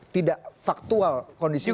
tidak faktual kondisi itu